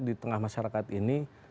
di tengah masyarakat ini